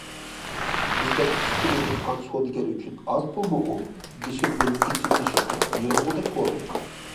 بىزدەك كىچىككىنە دېھقان سودىگەر ئۈچۈن ئاز پۇلمۇ ئۇ؟ بېشىمنىڭ ئىچى- تېشى قېتىپ يېرىلغۇدەك بولدى.